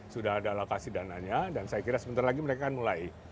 sudah ada alokasi dananya dan saya kira sebentar lagi mereka akan mulai